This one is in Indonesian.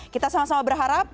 kita sama sama berharap